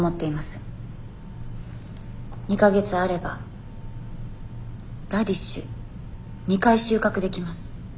２か月あればラディッシュ２回収穫できます。